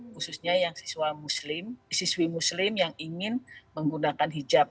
khususnya yang siswi muslim yang ingin menggunakan hijab